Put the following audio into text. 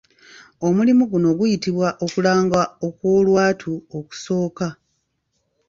Omulimu guno guyitibwa Okulanga Okw'olwatu Okusooka.